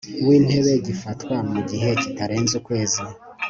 w Intebe gifatwa mu gihe kitarenze ukwezi